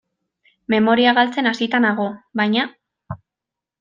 Memoria galtzen hasita nago, baina.